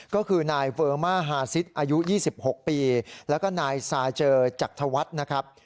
ก็คือนายเวอร์มาฮาซิสอายุ๒๖ปีแล้วก็นายซาเจอจักทวัฒน์นะครับ